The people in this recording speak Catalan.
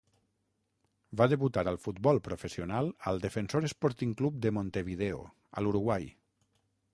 Va debutar al futbol professional al Defensor Sporting Club de Montevideo a l'Uruguai.